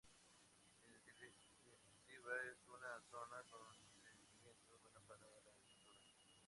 En definitiva, es una zona con sedimentos buena para la agricultura.